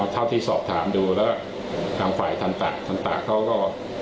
เท่าที่สอบถามดูแล้วทางฝ่ายต่างเขาก็